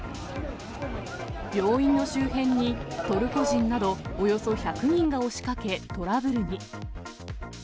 病院の周辺にトルコ人などおよそ１００人が押しかけトラブルに。